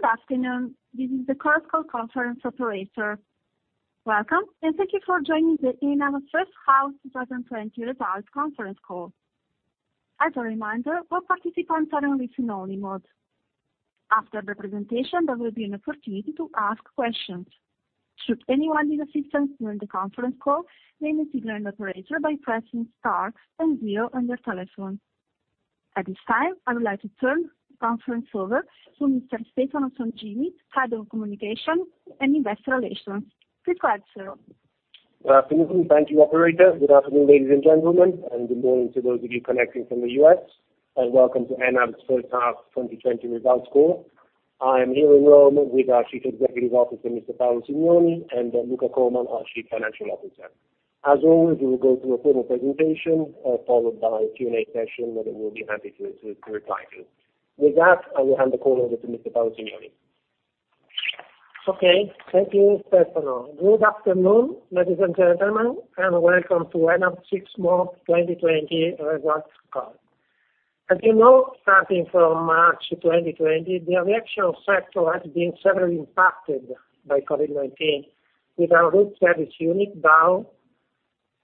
Good afternoon. This is the Chorus Call conference operator. Welcome, and thank you for joining the ENAV First Half 2020 Results Conference Call. As a reminder, all participants are in listen only mode. After the presentation, there will be an opportunity to ask questions. Should anyone need assistance during the conference call, they need signal an operator by pressing star and zero on their telephone. At this time, I would like to turn the conference over to Mr. Stefano Songini, Head of Communication and Investor Relations. Please go ahead, sir. Good afternoon. Thank you, operator. Good afternoon, ladies and gentlemen, and good morning to those of you connecting from the U.S., and welcome to ENAV's first half 2020 results call. I am here in Rome with our Chief Executive Officer, Mr. Paolo Simioni, and then Luca Colman, our Chief Financial Officer. As always, we will go through a formal presentation, followed by a Q&A session that we'll be happy to reply to. With that, I will hand the call over to Mr. Paolo Simioni. Okay. Thank you, Stefano. Good afternoon, ladies and gentlemen, and welcome to ENAV sixth month 2020 results call. As you know, starting from March 2020, the aviation sector has been severely impacted by COVID-19 with en route service unit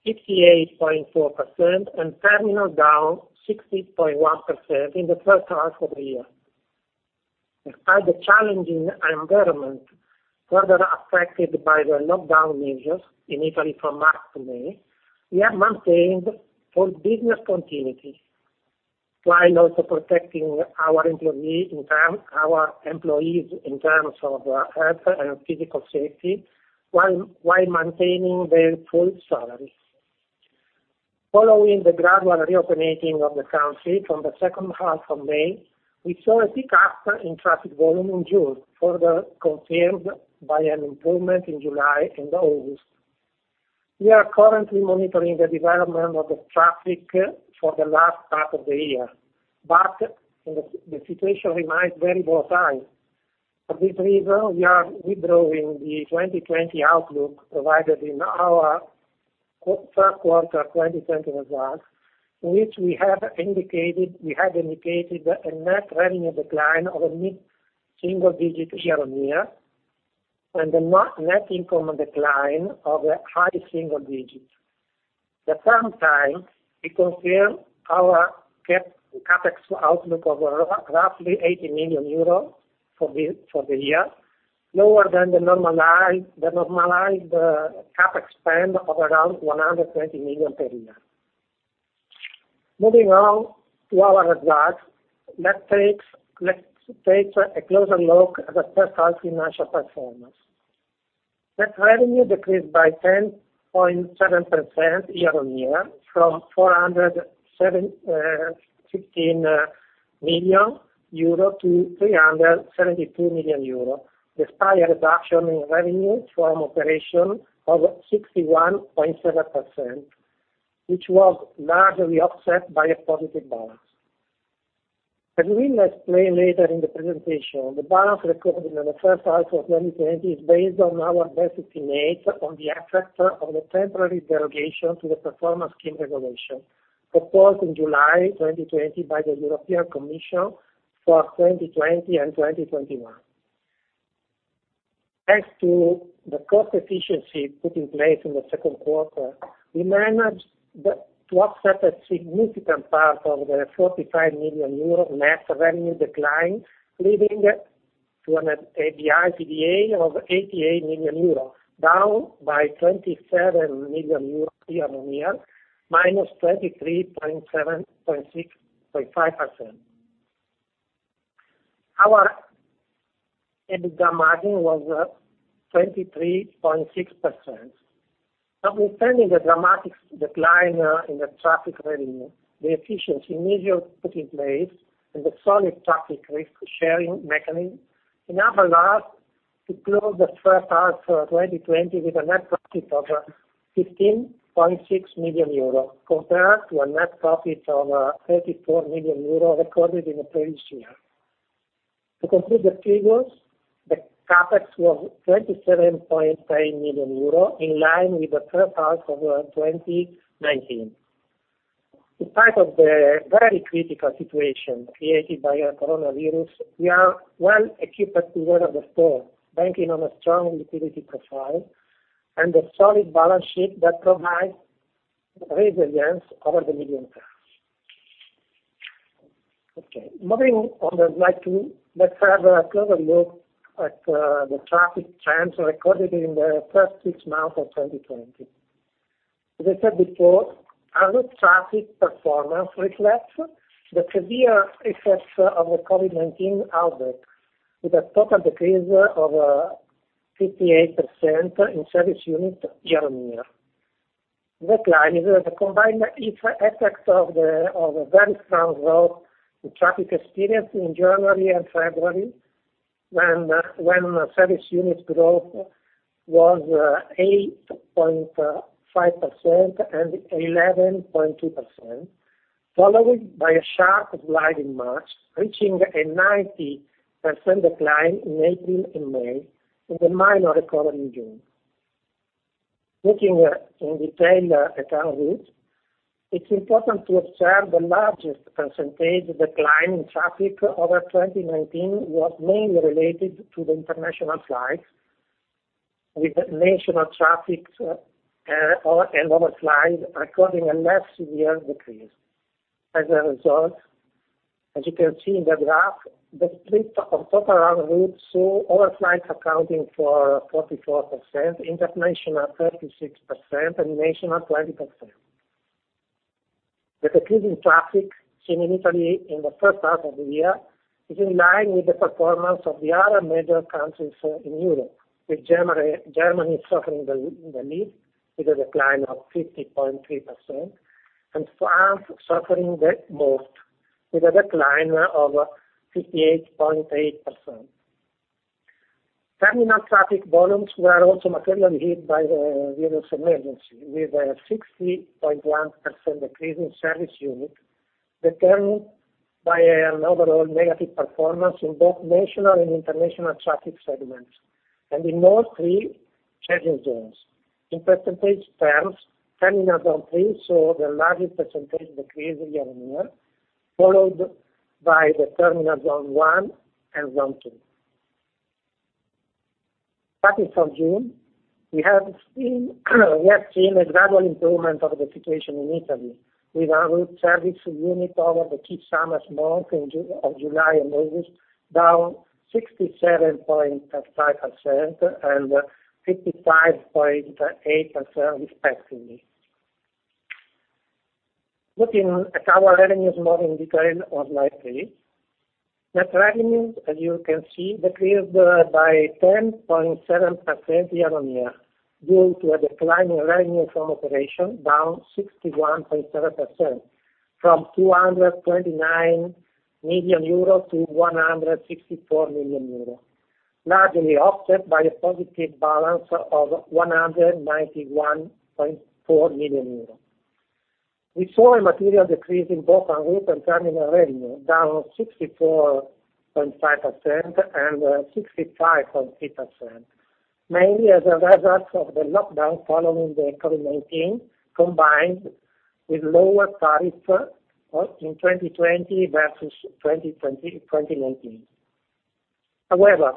down 68.4% and terminal down 60.1% in the first half of the year. Despite the challenging environment further affected by the lockdown measures in Italy from March to May, we have maintained full business continuity while also protecting our employees in terms of health and physical safety, while maintaining their full salary. Following the gradual reopening of the country from the second half of May, we saw a pick up in traffic volume in June, further confirmed by an improvement in July and August. We are currently monitoring the development of the traffic for the last part of the year, but the situation remains very volatile. For this reason, we are withdrawing the 2020 outlook provided in our first quarter 2020 results, which we had indicated a net revenue decline of a mid-single digit year-on-year, and a net income decline of a high single digit. At the same time, we confirm our CapEx outlook of roughly 80 million euros for the year, lower than the normalized CapEx spend of around 120 million per year. Moving on to our results, let's take a closer look at the first half financial performance. Net revenue decreased by 10.7% year-on-year from 416 million euro to 372 million euro, despite a reduction in revenue from operation of 61.7%, which was largely offset by a positive balance. As we will explain later in the presentation, the balance recorded in the first half of 2020 is based on our best estimate on the effect of the temporary derogation to the performance scheme regulation, proposed in July 2020 by the European Commission for 2020 and 2021. As to the cost efficiency put in place in the second quarter, we managed to offset a significant part of the 45 million euro net revenue decline, leading to an EBITDA of 88 million euro, down by 27 million euro year-on-year, -33.5%. Our EBITDA margin was 23.6%. Notwithstanding the dramatic decline in the traffic revenue, the efficiency measures put in place and the solid traffic risk-sharing mechanism enabled us to close the first half of 2020 with a net profit of 15.6 million euro, compared to a net profit of 34 million euro recorded in the previous year. To conclude the figures, the CapEx was 27.8 million euro, in line with the first half of 2019. In spite of the very critical situation created by the coronavirus, we are well equipped to weather the storm, banking on a strong liquidity profile and a solid balance sheet that provides resilience over the medium term. Moving on the slide two, let's have a closer look at the traffic trends recorded in the first six months of 2020. As I said before, our en route traffic performance reflects the severe effects of the COVID-19 outbreak, with a total decrease of 58% in service unit year-over-year. The decline is the combined effects of the very strong growth in traffic experienced in January and February, when service unit growth was 8.5% and 11.2%, followed by a sharp decline in March, reaching a 90% decline in April and May, with a minor recovery in June. Looking at en route, it's important to observe the largest percentage decline in traffic over 2019 was mainly related to the international flights, with national traffic and other flights recording a less severe decrease. As you can see in the graph, the split of total en route saw other flights accounting for 44%, international 36%, and national 20%. The decrease in traffic seen in Italy in the first half of the year is in line with the performance of the other major countries in Europe, with Germany suffering the least with a decline of 50.3%, and France suffering the most with a decline of 58.8%. Terminal traffic volumes were also materially hit by the virus emergency, with a 60.1% decrease in service unit determined by an overall negative performance in both national and international traffic segments and in all three scheduling zones. In percentage terms, Terminal Zone 3 saw the largest percentage decrease year-on-year, followed by the Terminal Zone 1 and Zone 2. Starting from June, we have seen a gradual improvement of the situation in Italy, with our en route service unit over the key summer months of July and August, down 67.5% and 55.8% respectively. Looking at our revenues more in detail on slide three. Net revenues, as you can see, decreased by 10.7% year-on-year due to a decline in revenue from operation down 61.7%, from 229 million euro to 164 million euro, largely offset by a positive balance of 191.4 million euro. We saw a material decrease in both our route and terminal revenue, down 64.5% and 65.3%, mainly as a result of the lockdown following the COVID-19, combined with lower tariff in 2020 versus 2019. However,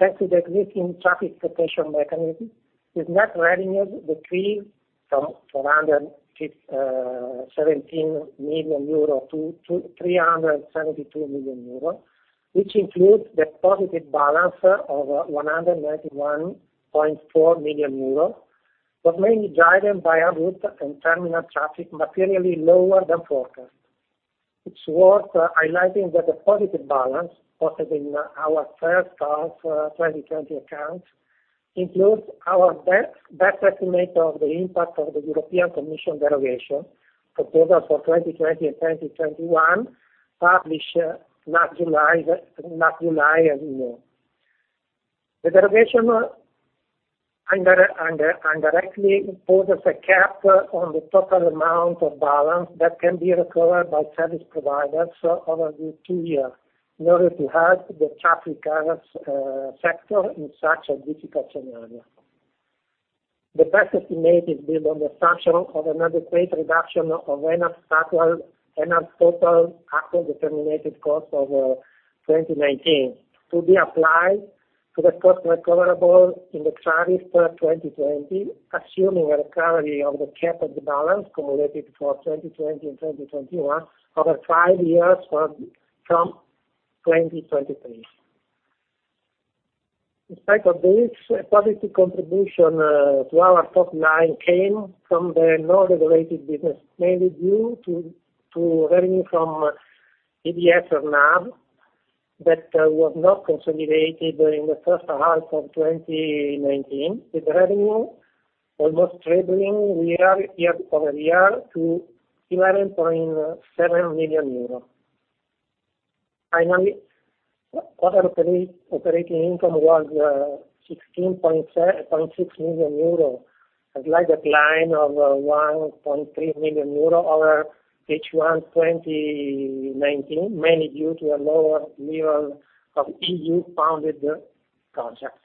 thanks to the existing traffic protection mechanism, with net revenues decreased from 417 million euro to 372 million euro, which includes the positive balance of 191.4 million euro, was mainly driven by a route and terminal traffic materially lower than forecast. It's worth highlighting that the positive balance posted in our first half 2020 accounts includes our best estimate of the impact of the European Commission derogation proposal for 2020 and 2021, published last July and November. The derogation indirectly imposes a cap on the total amount of balance that can be recovered by service providers over the two year in order to help the traffic carriers sector in such a difficult scenario. The best estimate is based on the assumption of an adequate reduction of ENAV's total after the Determined Costs of 2019 to be applied to the cost recoverable in the traffic for 2020, assuming a recovery of the cap of the balance accumulated for 2020 and 2021 over five years from 2023. In spite of this, a positive contribution to our top line came from the non-regulated business, mainly due to revenue from IDS AirNaV that was not consolidated during the first half of 2019, with revenue almost tripling year-over-year to EUR 11.7 million. Finally, operating income was 16.6 million euro, a slight decline of 1.3 million euro over H1 2019, mainly due to a lower level of EU funded projects.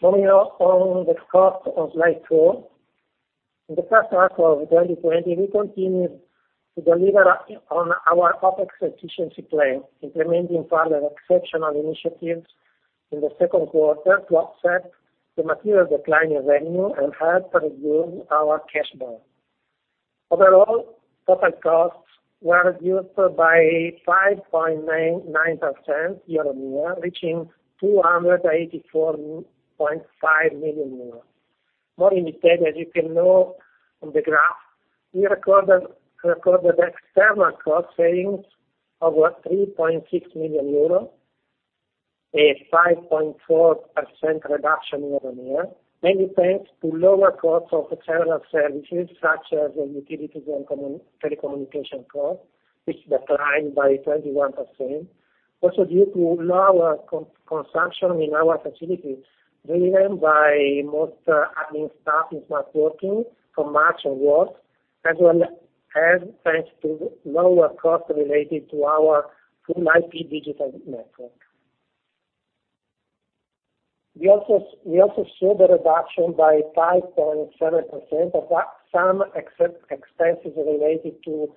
Moving on the cost on slide four. In the first half of 2020, we continued to deliver on our OpEx efficiency plan, implementing further exceptional initiatives in the second quarter to offset the material decline in revenue and help reduce our cash burn. Overall, total costs were reduced by 5.99% year-on-year, reaching 284.5 million euros. More in detail, as you can note in the graph, we recorded external cost savings over 3.6 million euro, a 5.4% reduction year-on-year, mainly thanks to lower cost of external services such as utilities and telecommunication cost, which declined by 21%. Due to lower consumption in our facilities, driven by most admin staff is not working from March onwards. As well as thanks to lower costs related to our full IP digital network. We saw the reduction by 5.7% of some expenses related to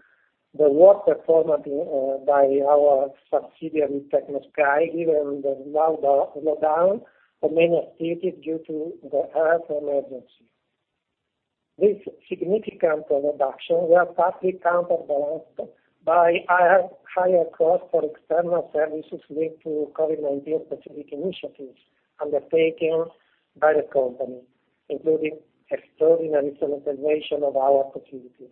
the work performed by our subsidiary, Techno Sky, given the lockdown of many cities due to the health emergency. These significant reductions were partly counterbalanced by higher costs for external services linked to COVID-19 specific initiatives undertaken by the company, including extraordinary sanitization of our facilities.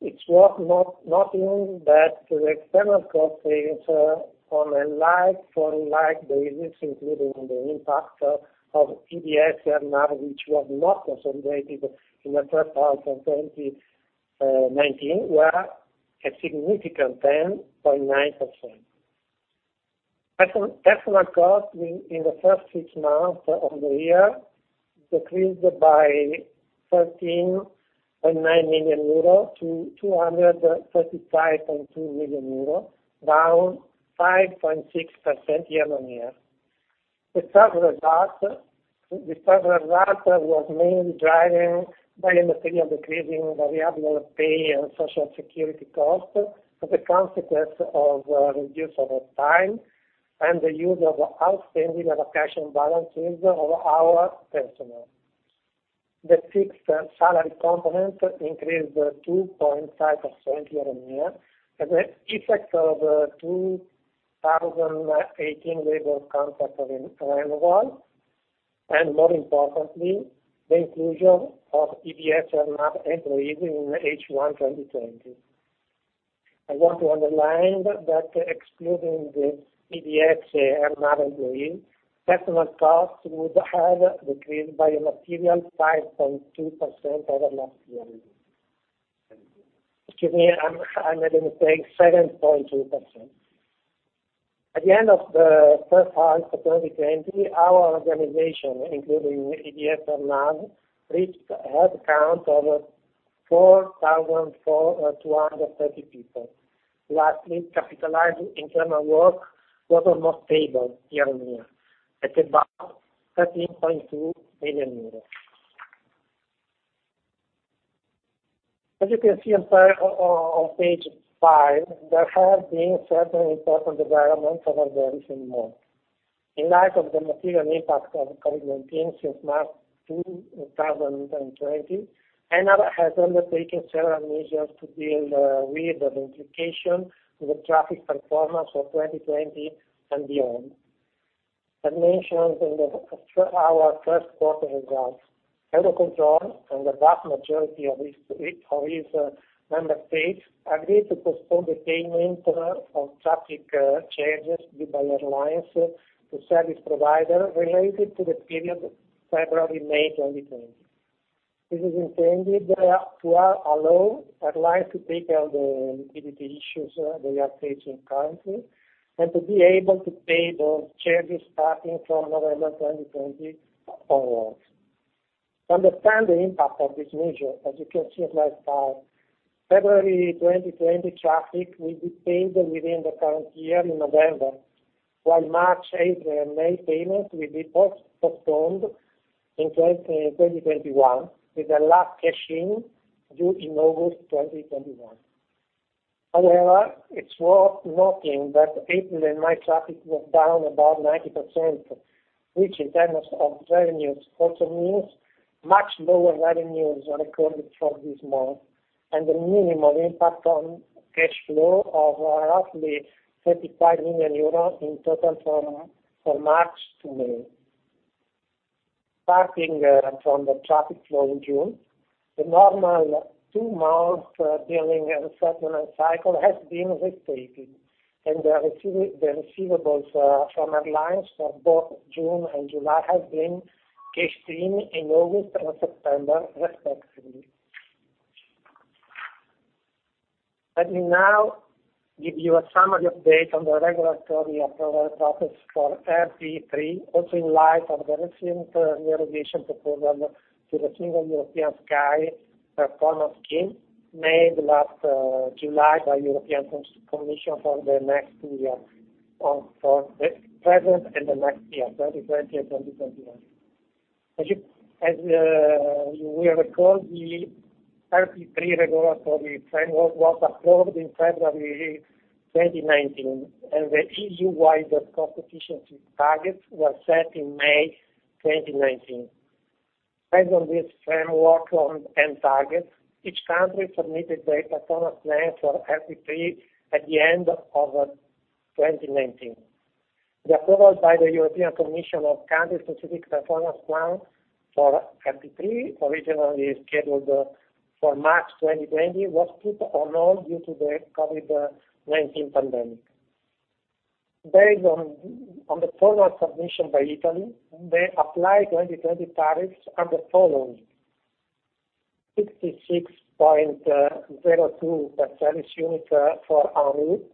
It's worth noting that external costs on a like-for-like basis, including the impact of IDS AirNav, which was not consolidated in the first half of 2019, were a significant 10.9%. Personal cost in the first six months of the year decreased by 13.9 million euro to 235.2 million euro, down 5.6% year-on-year. The third result was mainly driven by a material decrease in variable pay and social security costs as a consequence of a reduction of time and the use of outstanding vacation balances of our personnel. The fixed salary component increased 2.5% year-on-year as an effect of the 2018 labor contract renewal, and more importantly, the inclusion of IDS AirNav employees in H1 2020. I want to underline that excluding the IDS AirNav employees, personal costs would have decreased by a material 5.2% over last year. Excuse me, I made a mistake, 7.2%. At the end of the first half of 2020, our organization, including IDS AirNav, reached a head count of 4,230 people. Lastly, capitalized internal work was almost stable year-on-year at about EUR 13.2 million. As you can see on page five, there have been certain important developments over the recent months. In light of the material impact of COVID-19 since March 2020, ENAV has undertaken several measures to deal with the implications to the traffic performance for 2020 and beyond. As mentioned in our first quarter results, Eurocontrol and the vast majority of its member states agreed to postpone the payment of traffic charges due by airlines to service provider related to the period February, May 2020. This is intended to allow airlines to take care of the liquidity issues they are facing currently and to be able to pay those charges starting from November 2020 onwards. To understand the impact of this measure, as you can see on slide five, February 2020 traffic will be paid within the current year in November, while March, April and May payment will be postponed in 2021, with the last cash in due in August 2021. However, it's worth noting that April and May traffic was down about 90%, which in terms of revenues also means much lower revenues are recorded for this month, and a minimal impact on cash flow of roughly 35 million euros in total from March to May. Starting from the traffic flow in June, the normal two-month billing and settlement cycle has been reinstated, and the receivables from airlines for both June and July has been cashed in in August and September respectively. Let me now give you a summary update on the regulatory approval process for RP3, also in light of the recent revision proposal to the Single European Sky performance scheme made last July by European Commission for the present and the next year, 2020 and 2021. As you will recall, the RP3 regulatory framework was approved in February 2019, and the EU-wide competition targets were set in May 2019. Based on this framework and target, each country submitted their performance plan for RP3 at the end of 2019. The approval by the European Commission of country-specific performance plans for RP3, originally scheduled for March 2020, was put on hold due to the COVID-19 pandemic. Based on the formal submission by Italy, the applied 2020 targets are the following, 66.02% unit for en route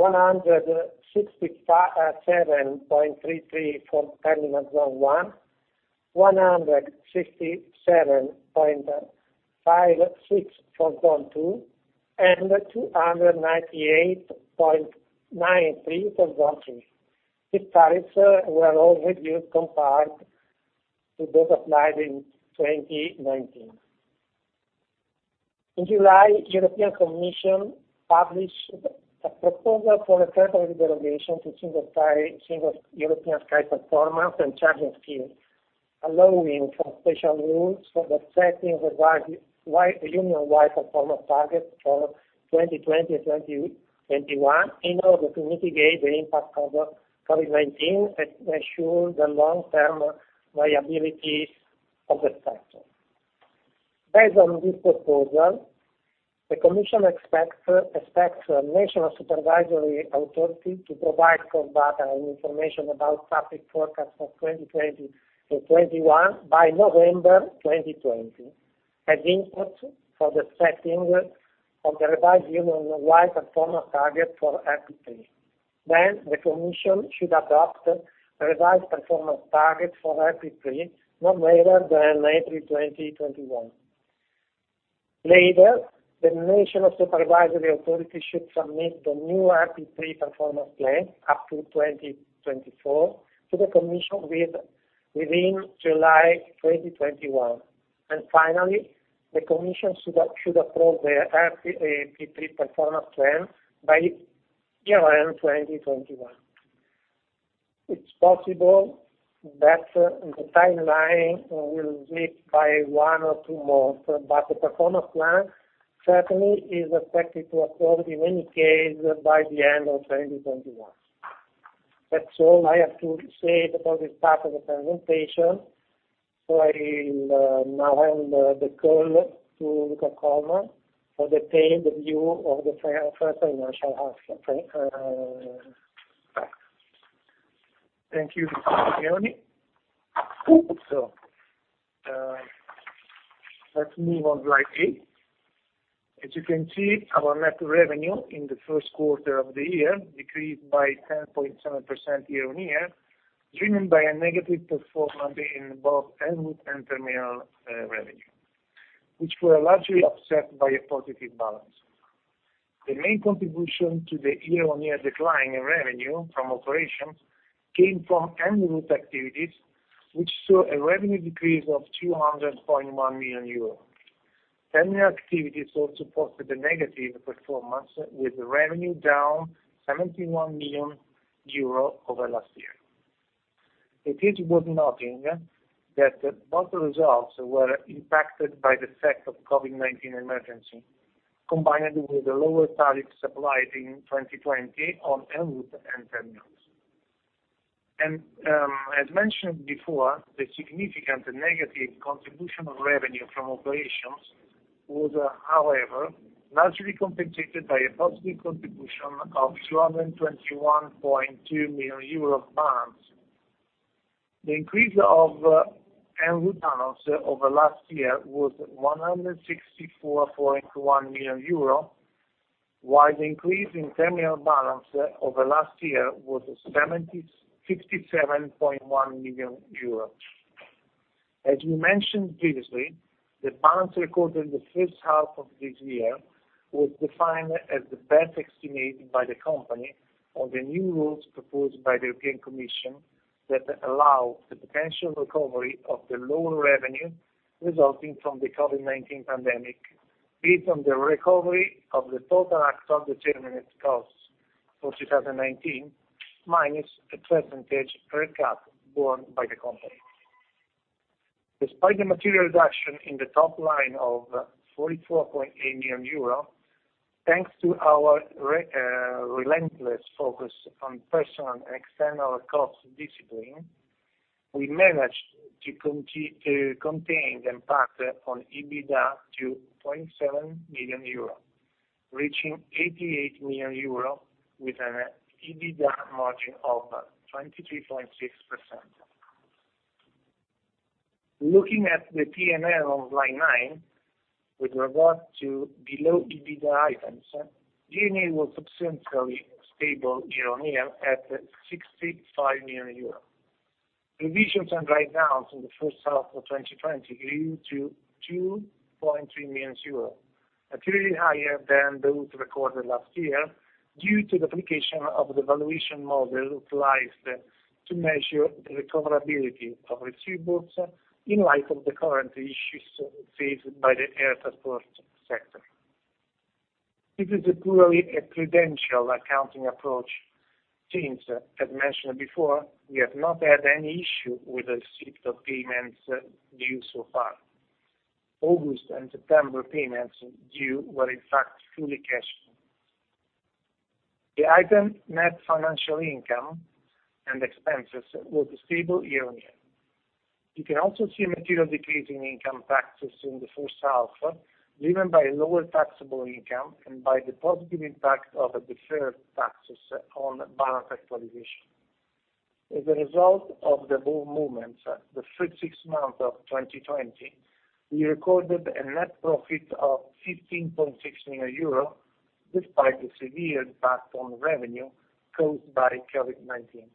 167.33 for Terminal Zone 1, 167.56 for Terminal Zone 2, and 298.93 for Terminal Zone 3. These tariffs were all reduced compared to those applied in 2019. In July, European Commission published a proposal for a temporary delegation to Single European Sky performance and charging scheme, allowing for special rules for the setting of Union-wide performance targets for 2020, 2021 in order to mitigate the impact of COVID-19, ensure the long-term viability of the sector. Based on this proposal, the Commission expects national supervisory authority to provide core data and information about traffic forecast for 2020 to 2021 by November 2020 as input for the setting of the revised Union-wide performance target for RP3. The Commission should adopt revised performance target for RP3, no later than April 2021. Later, the national supervisory authority should submit the new RP3 performance plan up to 2024 to the Commission within July 2021. Finally, the Commission should approve the RP3 performance plan by year-end 2021. It's possible that the timeline will slip by one or two months, but the performance plan certainly is expected to approve in any case by the end of 2021. That's all I have to say about this part of the presentation. I will now hand the call to Luca Colman for the detailed view of the first financial half. Thank you, Simioni. Let's move on to slide eight. As you can see, our net revenue in the first quarter of the year decreased by 10.7% year-on-year, driven by a negative performance in both en route and terminal revenue, which were largely offset by a positive balance. The main contribution to the year-on-year decline in revenue from operations came from en route activities, which saw a revenue decrease of 200.1 million euros. Terminal activities also posted a negative performance with revenue down 71 million euro over last year. It is worth noting that both results were impacted by the effect of COVID-19 emergency, combined with the lower tariff supplied in 2020 on en route and terminals. As mentioned before, the significant negative contribution of revenue from operations was, however, largely compensated by a positive contribution of 221.2 million euro balance. The increase of en route balance over last year was 164.1 million euro, while the increase in terminal balance over last year was 57.1 million euro. As we mentioned previously, the balance recorded in the first half of this year was defined as the best estimated by the company on the new rules proposed by the European Commission that allow the potential recovery of the loan revenue resulting from the COVID-19 pandemic, based on the recovery of the total actual determined costs for 2019, minus a percentage per cap borne by the company. Despite the material reduction in the top line of 44.8 million euro, thanks to our relentless focus on personal and external cost discipline, we managed to contain the impact on EBITDA to 0.7 million euro, reaching 88 million euro with an EBITDA margin of 23.6%. Looking at the P&L on slide nine, with regard to below EBITDA items, P&L was substantially stable year-on-year at 65 million euros. Provisions and write-downs in the first half of 2020 grew to 2.3 million euros, materially higher than those recorded last year due to the application of the valuation model utilized to measure the recoverability of receivables in light of the current issues faced by the air transport sector. It is purely a prudential accounting approach since, as mentioned before, we have not had any issue with the receipt of payments due so far. August and September payments due were in fact fully cashed in. The item net financial income and expenses was stable year-on-year. You can also see a material decrease in income taxes in the first half, driven by lower taxable income and by the positive impact of deferred taxes on balance actualization. As a result of the [bull] movements the first six months of 2020, we recorded a net profit of 15.6 million euros, despite the severe impact on revenue caused by COVID-19.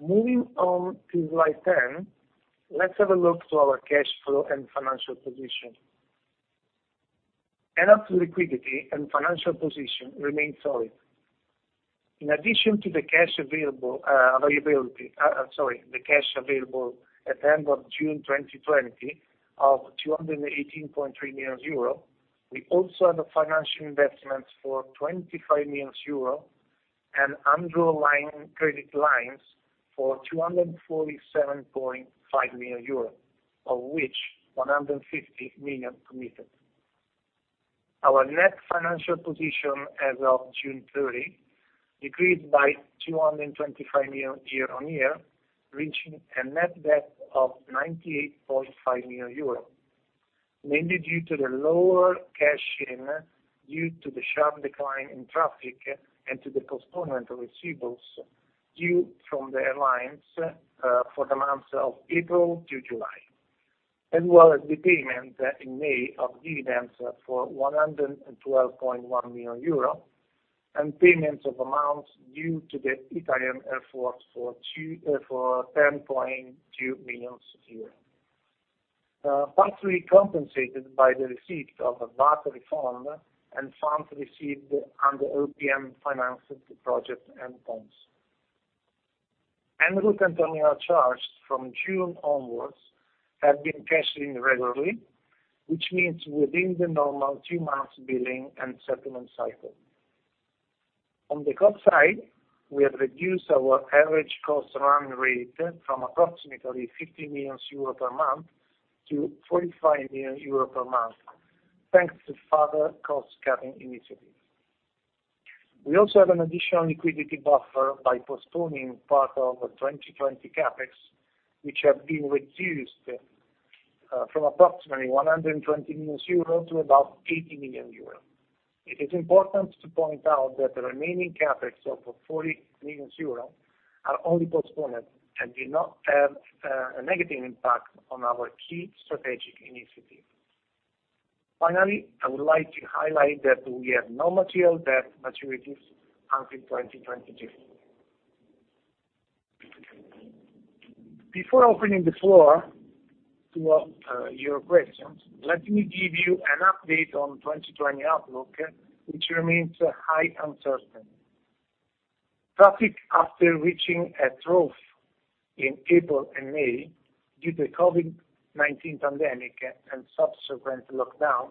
Moving on to slide 10, let's have a look to our cash flow and financial position. ENAV's liquidity and financial position remain solid. In addition to the cash available at the end of June 2020 of 218.3 million euro, we also have financial investments for 25 million euro and undrawn credit lines for 247.5 million euro, of which 150 million committed. Our net financial position as of June 30 decreased by 225 million year-on-year, reaching a net debt of 98.5 million euros, mainly due to the lower cash in due to the sharp decline in traffic and to the postponement of receivables due from the airlines, for the months of April to July, as well as the payment in May of dividends for 112.1 million euro and payments of amounts due to the Italian Air Force for 10.2 million euro. Partly compensated by the receipt of balance fund and funds received under OPM-financed projects and bonds. En route and terminal charges from June onwards have been cashed in regularly, which means within the normal two-month billing and settlement cycle. On the cost side, we have reduced our average cost run rate from approximately 50 million euro per month to 45 million euro per month, thanks to further cost-cutting initiatives. We also have an additional liquidity buffer by postponing part of 2020 CapEx, which have been reduced from approximately 120 million euros to about 80 million euros. It is important to point out that the remaining CapEx of 40 million euros are only postponed and do not have a negative impact on our key strategic initiatives. Finally, I would like to highlight that we have no material debt maturities until 2022. Before opening the floor to your questions, let me give you an update on 2020 outlook, which remains high uncertainty. Traffic, after reaching a trough in April and May due to the COVID-19 pandemic and subsequent lockdown,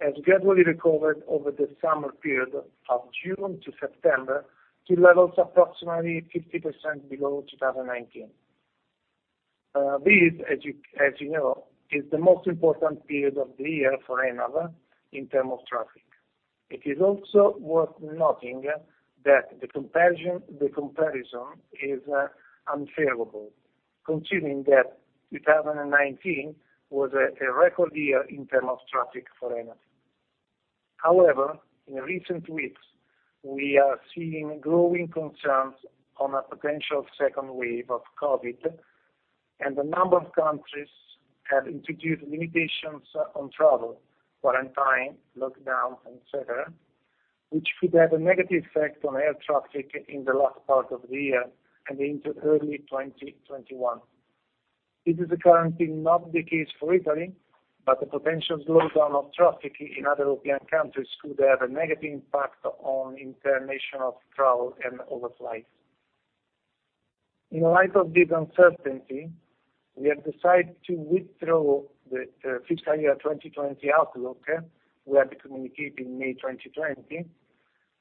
has gradually recovered over the summer period of June to September to levels approximately 50% below 2019. This, as you know, is the most important period of the year for ENAV in terms of traffic. It is also worth noting that the comparison is unfavorable, considering that 2019 was a record year in terms of traffic for ENAV. In recent weeks, we are seeing growing concerns on a potential second wave of COVID and a number of countries have introduced limitations on travel, quarantine, lockdowns, et cetera, which could have a negative effect on air traffic in the last part of the year and into early 2021. It is currently not the case for Italy, but the potential slowdown of traffic in other European countries could have a negative impact on international travel and overflight. In light of this uncertainty, we have decided to withdraw the fiscal year 2020 outlook we had communicated in May 2020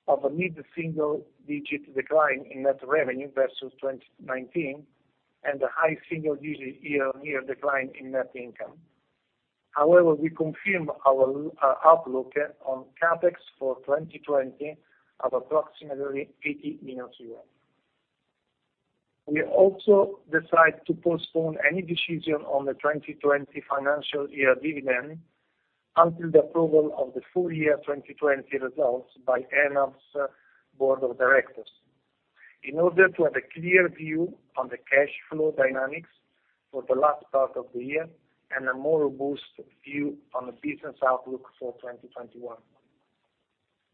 of a mid-single-digit decline in net revenue versus 2019 and a high single-digit year-on-year decline in net income. However, we confirm our outlook on CapEx for 2020 of approximately 80 million. We also decide to postpone any decision on the 2020 financial year dividend until the approval of the full year 2020 results by ENAV's board of directors in order to have a clear view on the cash flow dynamics for the last part of the year and a more robust view on the business outlook for 2021.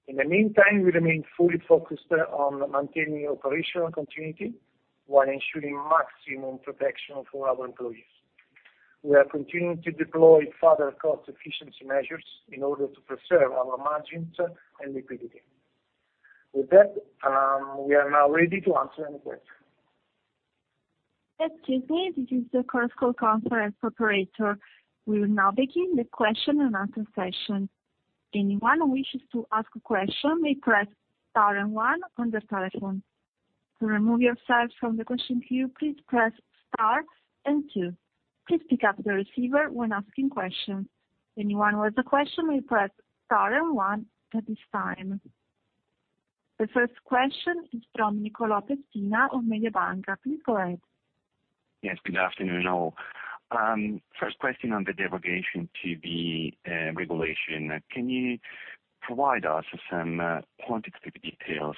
In the meantime, we remain fully focused on maintaining operational continuity while ensuring maximum protection for our employees. We are continuing to deploy further cost efficiency measures in order to preserve our margins and liquidity. With that, we are now ready to answer any questions. Excuse me. This is the conference call conference operator. We will now begin the question and answer session. Anyone who wishes to ask a question may press star and one on their telephone. To remove yourself from the question queue, please press star and two. Please pick up the receiver when asking questions. Anyone with a question may press star and one at this time. The first question is from Nicolò Pessina of Mediobanca. Please go ahead. Yes. Good afternoon, all. First question on the derogation to the regulation. Can you provide us with some quantitative details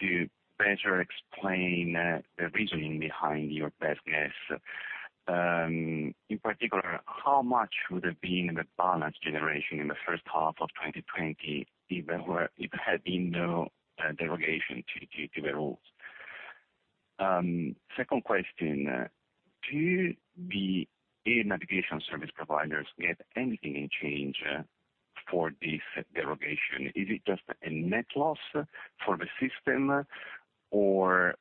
to better explain the reasoning behind your best guess? In particular, how much would there be in the balance generation in the first half of 2020 if there had been no derogation to the rules? Second question, do the air navigation service providers get anything in change for this derogation? Is it just a net loss for the system, or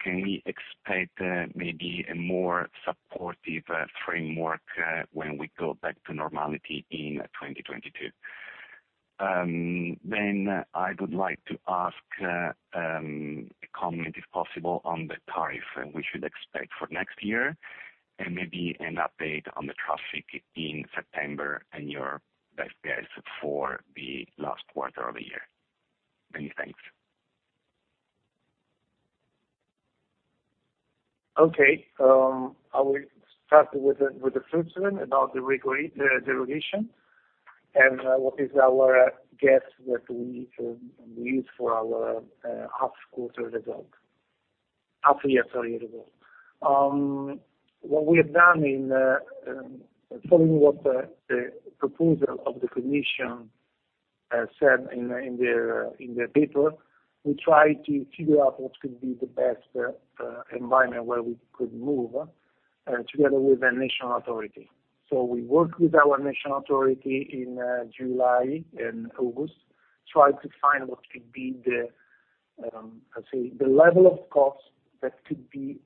can we expect maybe a more supportive framework when we go back to normality in 2022? I would like to ask a comment, if possible, on the tariff we should expect for next year and maybe an update on the traffic in September and your best guess for the last quarter of the year. Many thanks. Okay. I will start with the first one about the derogation and what is our guess that we use for our half-year results. What we have done in following what the proposal of the commission said in their paper, we try to figure out what could be the best environment where we could move together with the national authority. We worked with our national authority in July and August, tried to find what could be the level of cost that could be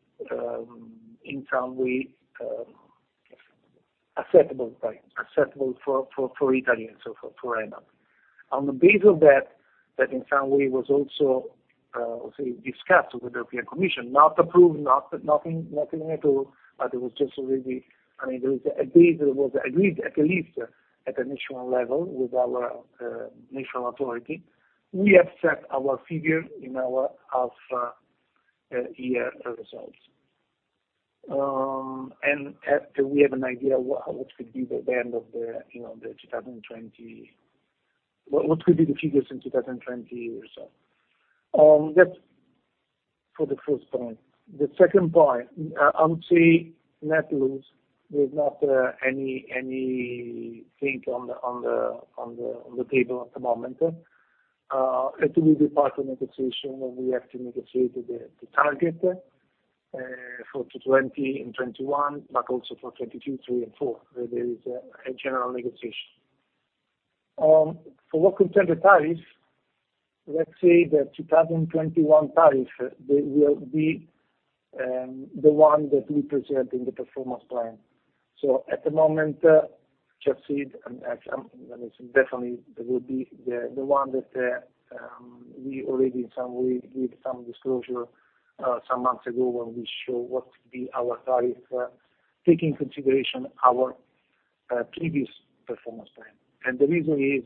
in some way acceptable for ENAV. On the base of that in some way was also discussed with the European Commission, not approved, nothing at all, it was agreed at least at the national level with our national authority. We have set our figure in our half year results. After we have an idea what could be the figures in 2020 or so. That's for the first point. The second point, I would say net loss, there's not anything on the table at the moment. It will be part of negotiation when we have to negotiate the target for 2020 and 2021, but also for 2022, 2023, and 2024. There is a general negotiation. For what concerns the tariff, let's say the 2021 tariff, they will be the one that we present in the performance plan. At the moment, just see it, and that is definitely will be the one that we already in some way give some disclosure some months ago when we show what could be our tariff, take in consideration our previous performance plan. The reason is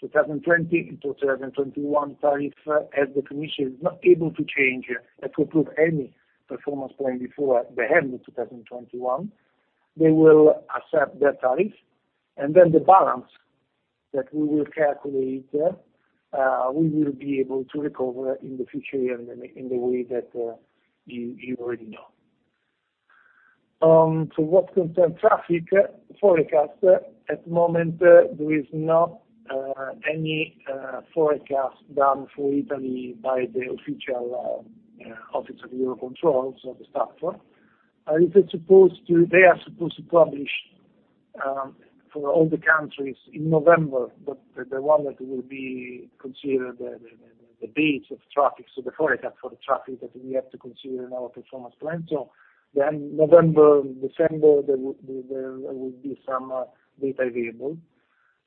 2020 and 2021 tariff, as the commission is not able to change or to approve any performance plan before the end of 2021, they will accept that tariff. The balance that we will calculate, we will be able to recover in the future year in the way that you already know. To what concern traffic forecast, at the moment, there is not any forecast done for Italy by the official Office of Eurocontrol, so the STATFOR. They are supposed to publish for all the countries in November, the one that will be considered the base of traffic, so the forecast for the traffic that we have to consider in our performance plan. November, December, there will be some data available.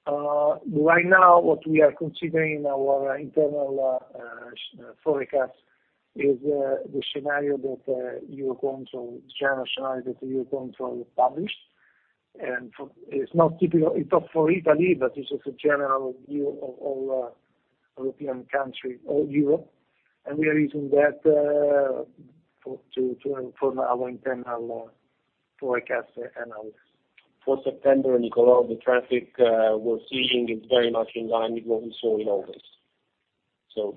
Right now, what we are considering in our internal forecast is the general scenario that the Eurocontrol published. It's not for Italy, but it's just a general view of all European country, all Europe. We are using that to inform our internal forecast analysis. For September, Nicolò, the traffic we're seeing is very much in line with what we saw in August,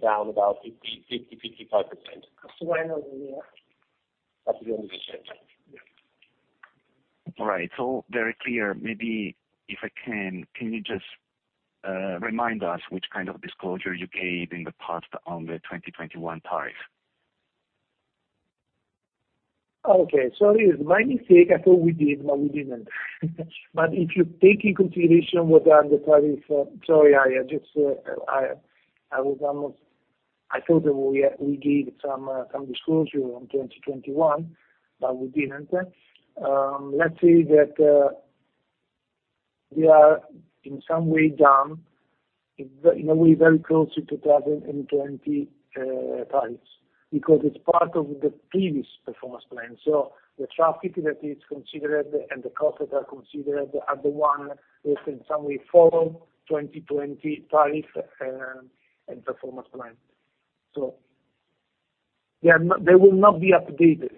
down about 50, 55%. Yeah. [Full end of the year] [Yeah] All right. It's all very clear. Can you just remind us which kind of disclosure you gave in the past on the 2021 tariff? Okay. It is my mistake. I thought we did, but we didn't. If you take in consideration, Sorry, I thought that we gave some disclosure on 2021, but we didn't. Let's say that we are in some way down, in a way very close to 2020 tariffs, because it's part of the previous performance plan. The traffic that is considered and the costs that are considered are the ones that in some way follow 2020 tariffs and performance plan. They will not be updated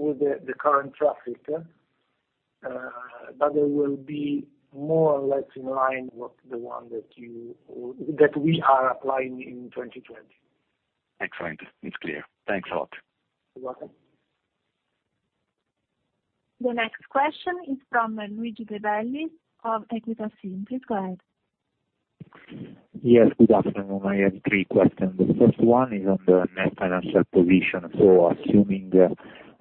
with the current traffic, but they will be more or less in line with the ones that we are applying in 2020. Excellent. It's clear. Thanks a lot. You're welcome. The next question is from Luigi Grelli of Equita SIM. Please go ahead. Yes, good afternoon. I have three questions. The first one is on the net financial position. Assuming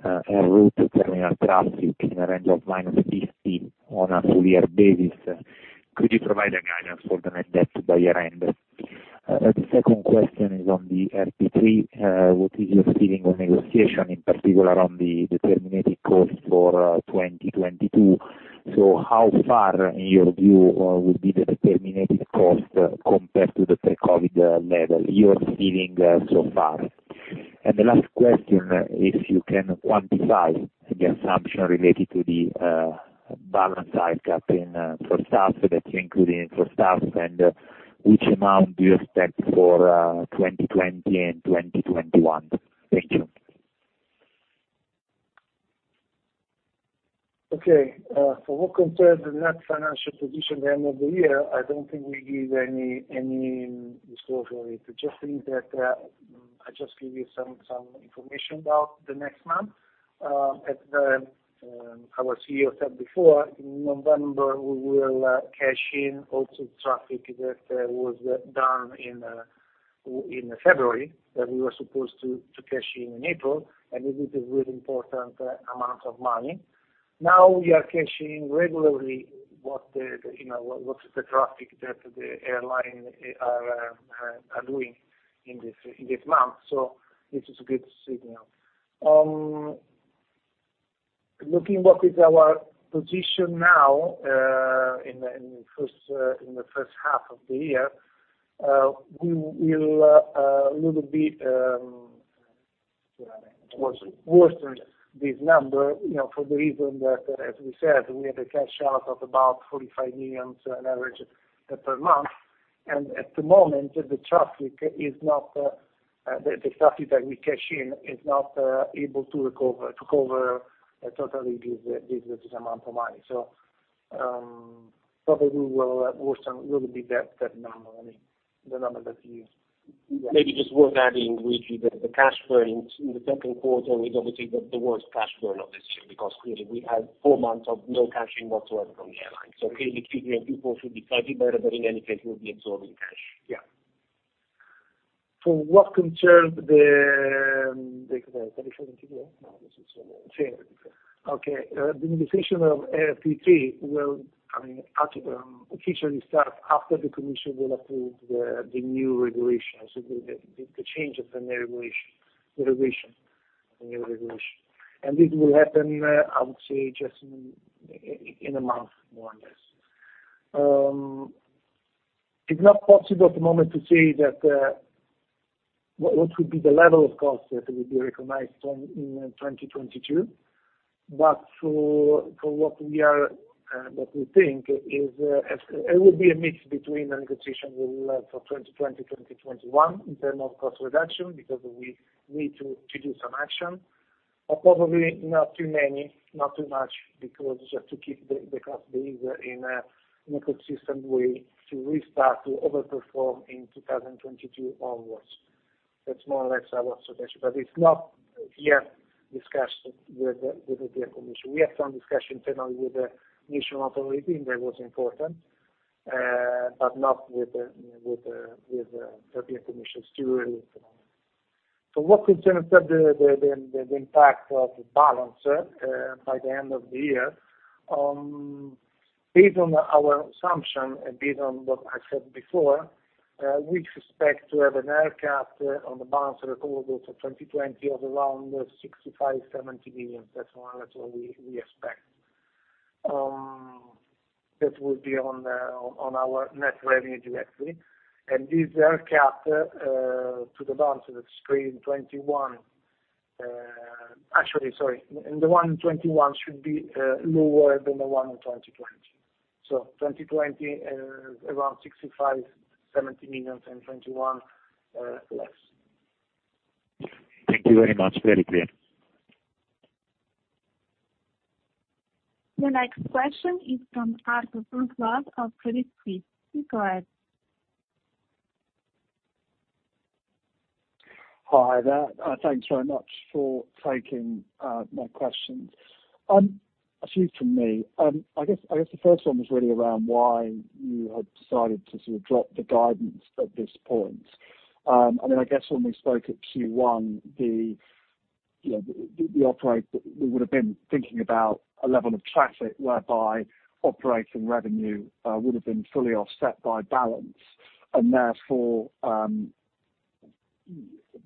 a route terminal traffic in the range of -50% on a full year basis, could you provide a guidance for the net debt by year-end? The second question is on the RP3. What is your feeling on negotiation, in particular on the Determined Costs for 2022? How far, in your view, would be the Determined Costs compared to the pre-COVID level, you are feeling so far? The last question, if you can quantify the assumption related to the balance side cutting for STATFOR that you include in for STATFOR and which amount do you expect for 2020 and 2021? Thank you. Okay. For what concerns the net financial position at the end of the year, I don't think we give any disclosure. I just give you some information about the next month. As our CEO said before, in November, we will cash in also traffic that was done in February, that we were supposed to cash in in April. This is a really important amount of money. Now we are cashing regularly what is the traffic that the airline are doing in this month. This is a good signal. Looking what is our position now, in the first half of the year, we will a little bit worsen this number, for the reason that, as we said, we had a cash out of about 45 million on average per month. At the moment, the traffic that we cash in is not able to cover totally this amount of money. Probably we will worsen a little bit that number. I mean, the number that you. Maybe just worth adding, Luigi, that the cash burn in the second quarter is obviously the worst cash burn of this year, because clearly we had four months of no cash in whatsoever from the airline. Clearly Q3 and Q4 should be slightly better, but in any case, we will be absorbing cash. Yeah. For what concerns the. Okay. The negotiation of RP3 will officially start after the Commission will approve the new regulation, the change of the new regulation. This will happen, I would say, just in a month, more or less. It's not possible at the moment to say what would be the level of cost that will be recognized in 2022, but for what we think is it would be a mix between the negotiation we will have for 2020, 2021 in terms of cost reduction, because we need to do some action. Probably not too many, not too much, because just to keep the cost base in a consistent way to restart to over-perform in 2022 onwards. That's more or less our suggestion. It's not yet discussed with the European Commission. We had some discussion internally with the national supervisory authority. That was important. Not with the European Commission. For what concerns the impact of the balance by the end of the year, based on our assumption and based on what I said before, we expect to have an air cap on the balance recorded for 2020 of around 65 million to 70 million. That's what we expect. That will be on our net revenue directly. This air cap to the balance of 2021. Actually, sorry, the one in 2021 should be lower than the one in 2020. 2020, around 65 million to 70 million. In 2021, less. Thank you very much. Very clear. The next question is from Arthur Strub of Credit Suisse. Please go ahead. Hi there. Thanks very much for taking my questions. Two from me. I guess the first one was really around why you had decided to sort of drop the guidance at this point. I mean, I guess when we spoke at Q1, we would have been thinking about a level of traffic whereby operating revenue would have been fully offset by balance, and therefore,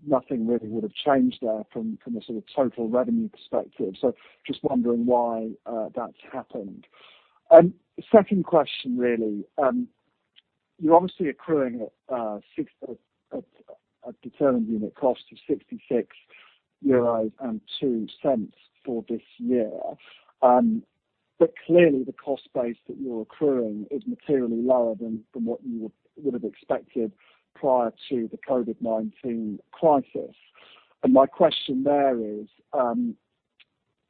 nothing really would have changed there from a sort of total revenue perspective. Just wondering why that's happened. Second question, really. You're obviously accruing at determined unit cost of 66.02 euros for this year. Clearly the cost base that you're accruing is materially lower than what you would have expected prior to the COVID-19 crisis. My question there is,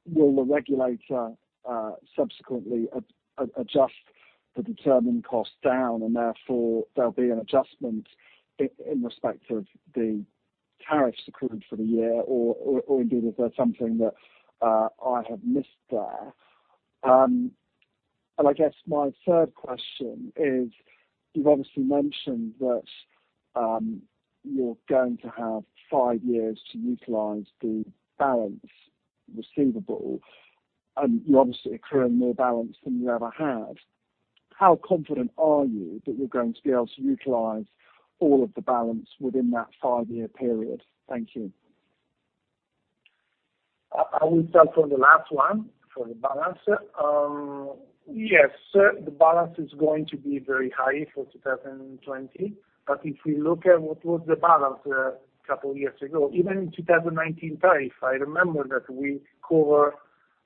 will the regulator subsequently adjust the Determined Costs down, and therefore there will be an adjustment in respect of the tariffs accrued for the year, or indeed, is there something that I have missed there? I guess my third question is, you have obviously mentioned that you are going to have five years to utilize the balance receivable, and you are obviously accruing more balance than you ever had. How confident are you that you are going to be able to utilize all of the balance within that five-year period? Thank you. I will start from the last one, for the balance. Yes, the balance is going to be very high for 2020, if we look at what was the balance a couple years ago, even in 2019 tariff, I remember that we cover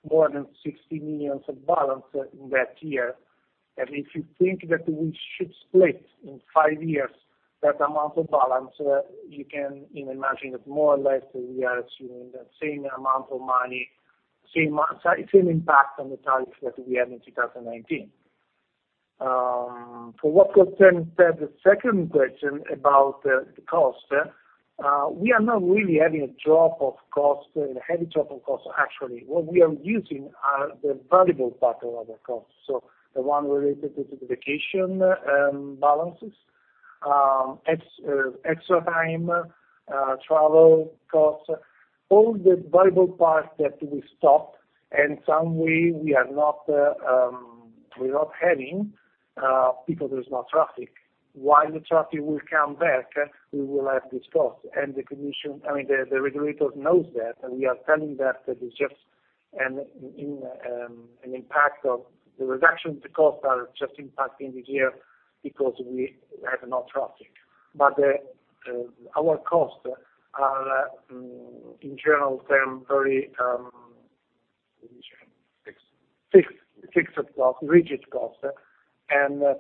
more than 60 million of balance in that year. If you think that we should split in five years that amount of balance, you can imagine that more or less, we are assuming that same amount of money, same impact on the tariff that we had in 2019. For what concerns the second question about the cost, we are not really having a heavy drop of cost. Actually, what we are using are the variable part of other costs. The one related to the vacation balances, extra time, travel cost, all the variable parts that we stopped and some way we are not having, because there's no traffic. While the traffic will come back, we will have this cost. The regulator knows that, and we are telling that it's just an impact of the reduction. The costs are just impacting this year because we have no traffic, but our cost, and in general term, um.. Fixed. Fixed costs, rigid costs.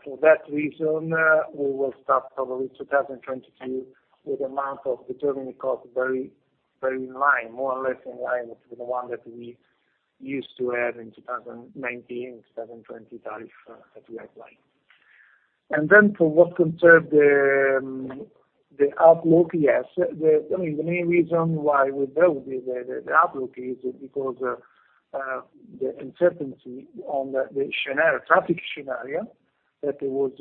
For that reason, we will start probably 2022 with amount of Determined Costs very in line, more or less in line with the one that we used to have in 2019, 2020 tariff that we applied. For what concerned the outlook. Yes. The main reason why we built the outlook is because the uncertainty on the traffic scenario that was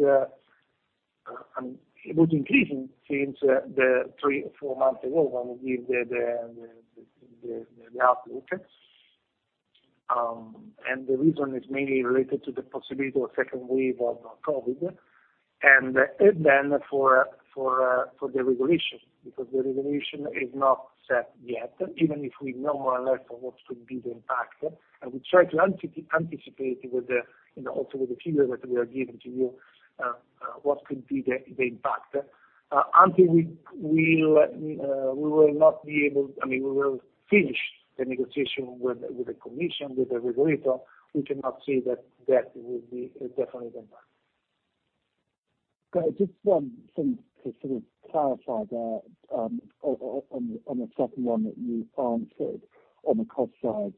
increasing since the three, four months ago when we give the outlook. The reason is mainly related to the possibility of second wave of COVID-19, and then for the regulation, because the regulation is not set yet, even if we know more or less what could be the impact. We try to anticipate it also with the figure that we are giving to you, what could be the impact? Until we will finish the negotiation with the commission, with the regulator, we cannot say that will be definitely the impact. Got it. Just one thing to sort of clarify there on the second one that you answered on the cost side.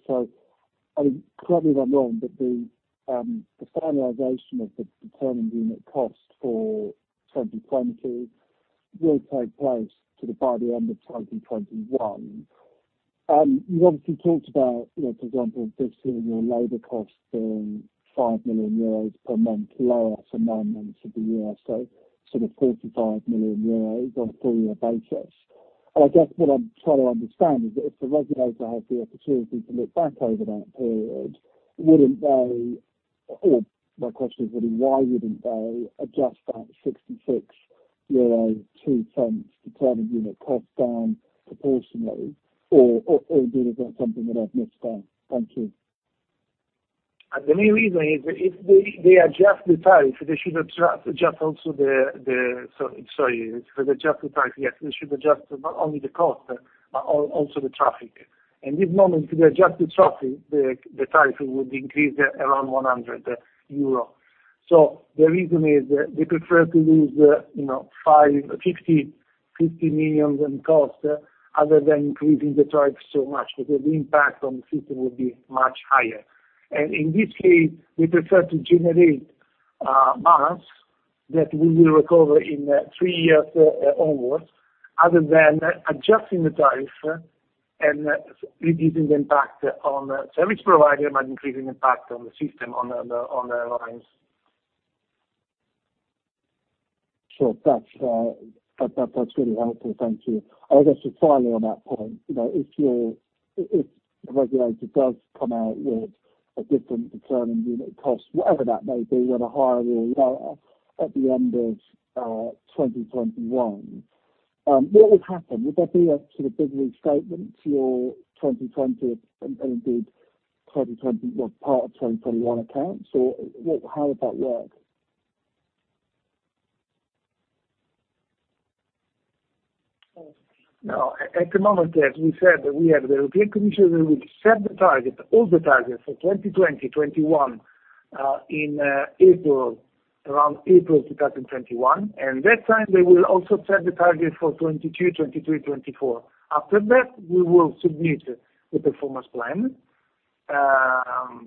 Correct me if I'm wrong, but the finalization of the Determined Unit Cost for 2020 will take place by the end of 2021. You obviously talked about, for example, this year, your labor cost being 5 million euros per month lower for nine months of the year, so sort of 45 million euros on a full-year basis. I guess what I'm trying to understand is that if the regulator had the opportunity to look back over that period, my question is really, why wouldn't they adjust that 66.02 euro Determined Unit Cost down proportionally? Indeed, is that something that I've missed there? Thank you. The main reason is if they adjust the tariff, they should adjust not only the cost, but also the traffic. This moment, if they adjust the traffic, the tariff would increase around 100 euro. The reason is they prefer to lose 50 million in cost other than increasing the tariff so much, because the impact on the system would be much higher. In this case, we prefer to generate balance that we will recover in three years onwards, other than adjusting the tariff and reducing the impact on service provider, but increasing impact on the system, on the airlines. Sure. That's really helpful. Thank you. I guess just finally on that point, if the regulator does come out with a different Determined Unit Cost, whatever that may be, whether higher or lower, at the end of 2021, what would happen? Would there be a sort of big restatement to your 2020 and indeed part of 2021 accounts, or how would that work? No. At the moment, as we said, we have the European Commission, we will set all the targets for 2020, 2021 around April 2021. That time, they will also set the target for 2022, 2023, 2024. After that, we will submit the performance plan. It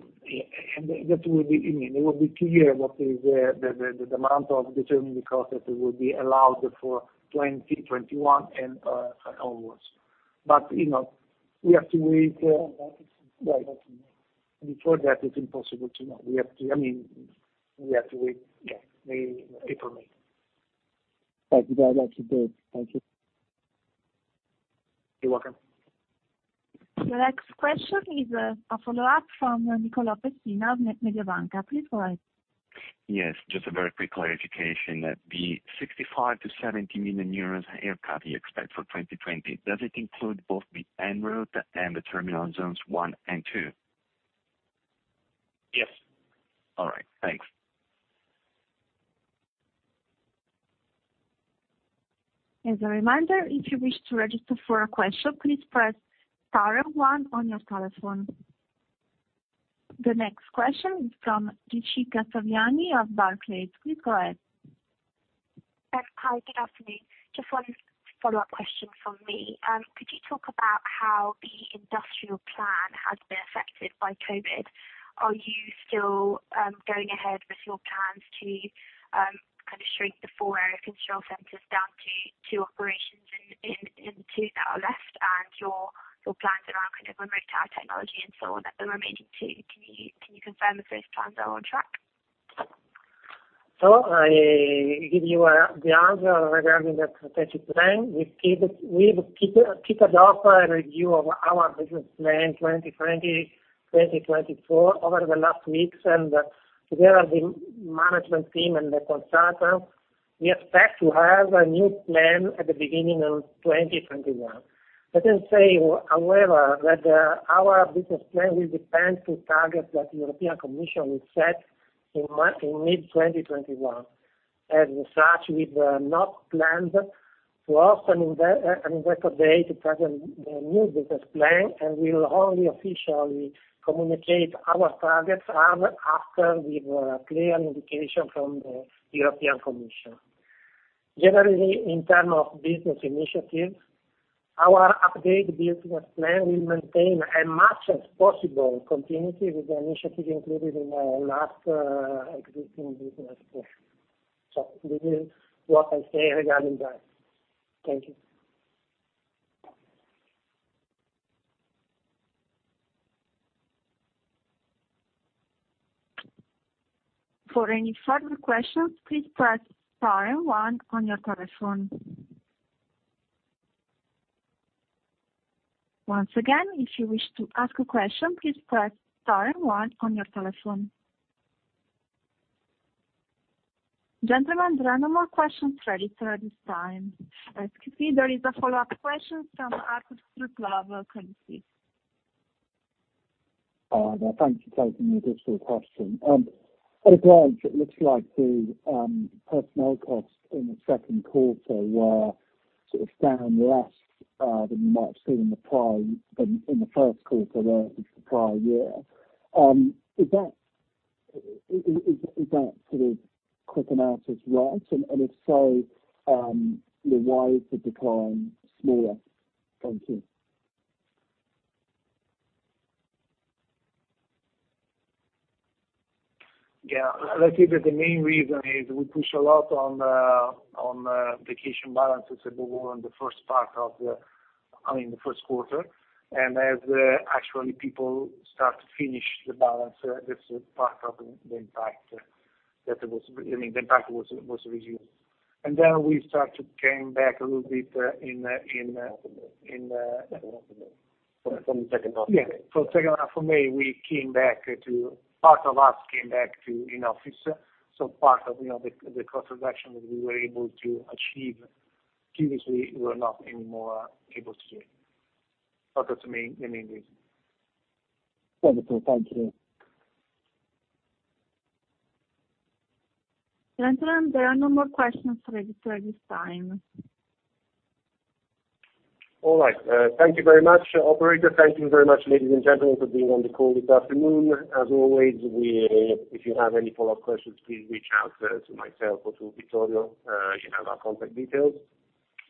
will be clear what is the amount of Determined Costs that will be allowed for 2020, 2021 onwards. We have to wait. Before that, it's impossible to know. We have to wait. Yeah. The people know. Thank you very much indeed. Thank you. You're welcome. The next question is a follow-up from Nicolò Pessina of Mediobanca. Please go ahead. Yes, just a very quick clarification. The 65 million- to 70 million euros air cap you expect for 2020, does it include both the en route and the Terminal Zone 1 and 2? Yes. All right. Thanks. The next question is from Jishika Savani of Barclays. Please go ahead. Hi, good afternoon. Just one follow-up question from me. Could you talk about how the industrial plan has been affected by COVID? Are you still going ahead with your plans to shrink the four air control centers down to two operations in two that are left, and your plans around retired technology and so on at the remaining two? Can you confirm if those plans are on track? I give you the answer regarding the strategic plan. We've kicked off a review of our business plan 2020-2024 over the last weeks, and together with management team and the consultant, we expect to have a new plan at the beginning of 2021. Let me say, however, that our business plan will depend to target what the European Commission will set in mid-2021. As such, we've not planned to host an investor day to present the new business plan, and we will only officially communicate our targets after we have a clear indication from the European Commission. Generally, in terms of business initiatives, our updated business plan will maintain as much as possible continuity with the initiative included in our last existing business plan. This is what I say regarding that. Thank you. Gentlemen, there are no more questions ready for you at this time. Excuse me, there is a follow-up question from Arthur Strub of Credit Suisse. Thank you for taking the additional question. At a glance, it looks like the personnel costs in the second quarter were sort of down less than you might have seen in the first quarter there of the prior year. Is that sort of quick analysis right? If so, why is the decline smaller? Thank you. Yeah. Let's say that the main reason is we push a lot on vacation balances that were on the first quarter. As actually people start to finish the balance, this part of the impact was resumed. Then we start to came back a little bit. From 2nd of May. Yeah. From 2nd of May, part of us came back in office, part of the cost reduction that we were able to achieve previously, we were not anymore able to do it. That was the main reason. Understood. Thank you. Gentlemen, there are no more questions ready for you at this time. All right. Thank you very much, operator. Thank you very much, ladies and gentlemen, for being on the call this afternoon. As always, if you have any follow-up questions, please reach out to myself or to Vittorio. You have our contact details.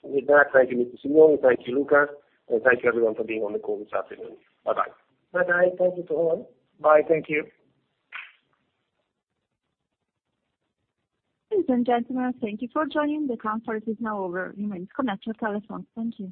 With that, thank you, Mr. Simioni. Thank you, Luca, and thank you everyone for being on the call this afternoon. Bye-bye. Bye-bye. Thank you to all. Bye. Thank you. Ladies and gentlemen, thank you for joining. The conference is now over. You may disconnect your telephones. Thank you.